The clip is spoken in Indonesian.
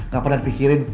gak pernah dipikirin